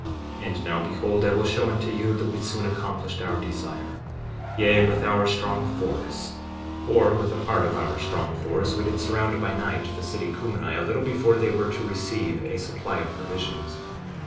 57:8 And now behold, I will show unto you that we soon accomplished our desire; yea, with our strong force, or with a part of our strong force, we did surround, by night, the city Cumeni, a little before they were to receive a supply of provisions.